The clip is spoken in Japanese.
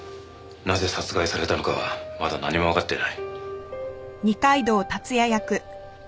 なぜ殺害されたのかはまだ何もわかっていない。